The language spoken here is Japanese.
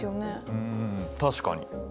うん確かに。